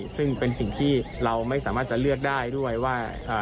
ซึ่งเป็นสิ่งที่เราไม่สามารถจะเลือกได้ด้วยว่า